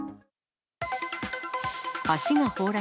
橋が崩落。